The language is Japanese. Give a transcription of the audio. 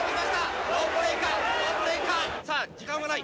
さあ時間はない。